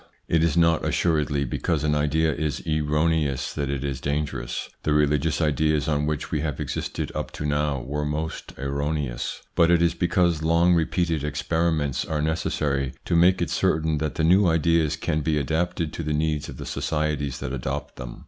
It is not assuredly because an idea is erroneous that it is dangerous the religious ideas on which we have existed up to now were most erroneous but it is because long repeated experi ments are necessary to make it certain that the new ideas can be adapted to the needs of the societies that adopt them.